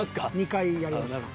２回やりますか。